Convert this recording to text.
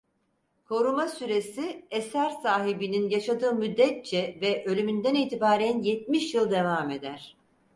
Koruma süresi eser sahibinin yaşadığı müddetçe ve ölümünden itibaren yetmiş yıl devam eder.